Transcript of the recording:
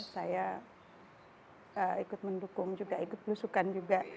saya ikut mendukung juga ikut belusukan juga